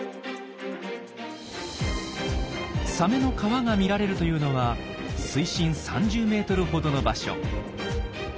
サメの川が見られるというのは水深３０ｍほどの場所。